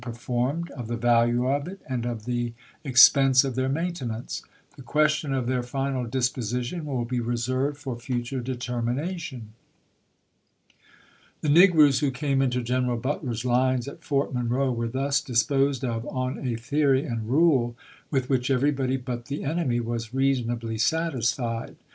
performed, of the value of it, and of the expense of their Series III., maintenance. The question of their final disposition will ^"282.' ^' be reserved for future determination. The negroes who came into General Butler's lines at Fort Monroe were thus disposed of on a theory and rule with which everybody but the en emy was reasonably satisfied.